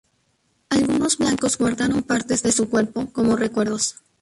Algunos blancos guardaron partes de su cuerpo como recuerdos.